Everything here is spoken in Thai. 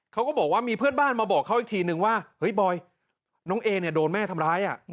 เขาก็บอกว่ามีเพื่อนบ้านมาบอกเขาอีกทีนึงว่าเฮ้ยบอยน้องเอเนี่ยโดนแม่ทำร้าย